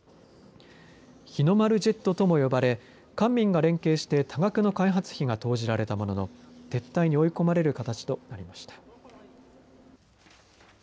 日の丸ジェットとも呼ばれ官民が連携して多額の開発費が投じられたものの撤退に追い込まれる形となりました。